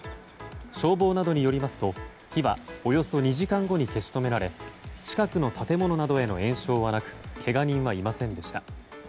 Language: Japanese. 消防などによりますと火はおよそ２時間後に消し止められ近くの建物などへの延焼はなくけが人はいませんでした。